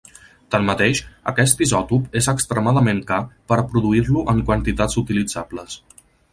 Tanmateix aquest isòtop és extremadament car per a produir-lo en quantitats utilitzables.